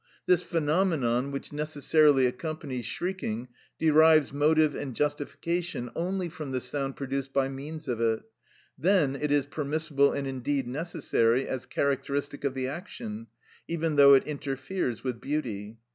This phenomenon, which necessarily accompanies shrieking, derives motive and justification only from the sound produced by means of it; then it is permissible and indeed necessary, as characteristic of the action, even though it interferes with beauty.